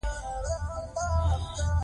ملالۍ به بیا لنډۍ وایي.